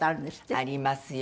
ありますよ。